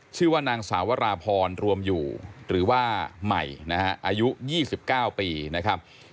ชื่อว่านางสาวราพรรวมอยู่หรือว่าใหม่นะฮะอายุ๒๙ปีนะครับ